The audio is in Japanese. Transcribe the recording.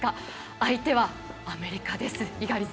相手はアメリカです。